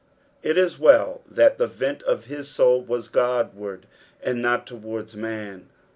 It is well that the vent of his soul was Godward and not towards man.